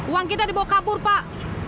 uang kita dibawa kabur pak